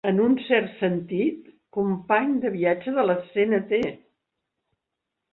En un cert sentit, company de viatge de la Cnt.